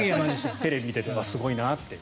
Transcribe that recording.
テレビを見てすごいなって。